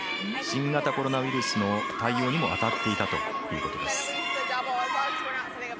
新型コロナウイルスの対応にも当たっていたということです。